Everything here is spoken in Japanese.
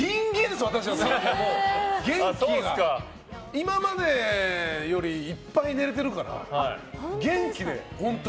今までよりいっぱい寝られてるから元気でホントに。